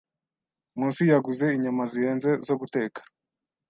Nkusi yaguze inyama zihenze zo guteka.